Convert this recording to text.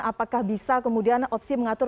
apakah bisa kemudian opsi mengatur